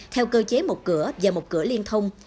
theo cơ chế một cửa và một cửa liên thông